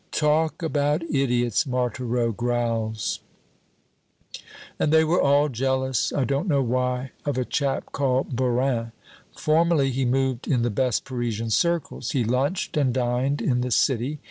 "Talk about idiots," Marthereau growls. "And they were all jealous, I don't know why, of a chap called Bourin. Formerly he moved in the best Parisian circles. He lunched and dined in the city.